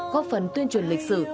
góp phần tuyên truyền lịch sử